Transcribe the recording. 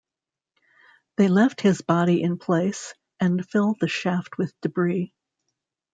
They left his body in place and filled the shaft with debris.